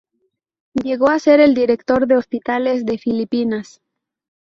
Llegó a ser el director de hospitales de Filipinas.